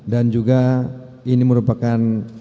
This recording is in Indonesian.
dan juga ini merupakan